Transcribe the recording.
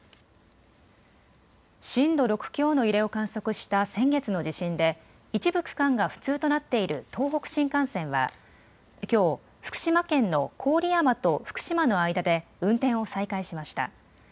震度６強の揺れを観測した先月の地震で一部区間が不通となっている東北新幹線はきょう福島県の郡山と福島の間で運転を再開しました。